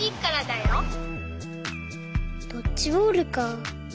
ドッジボールか。